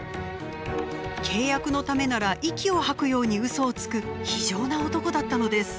契約のためなら息を吐くように嘘をつく非情な男だったのです。